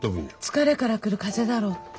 疲れからくる風邪だろうって。